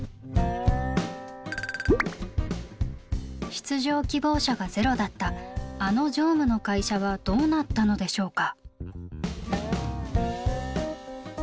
出場希望者がゼロだったあの常務の会社はどうなったのでしょうか？